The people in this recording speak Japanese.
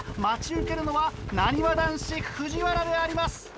待ち受けるのはなにわ男子・藤原であります。